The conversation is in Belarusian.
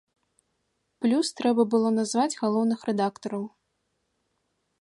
Плюс трэба было назваць галоўных рэдактараў.